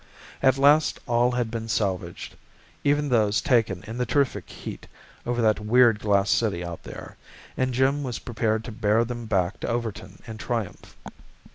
At last all had been salvaged, even those taken in the terrific heat over that weird glass city out there, and Jim was preparing to bear them back to Overton in triumph.